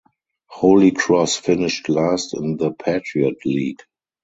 Holy Cross finished last in the Patriot League.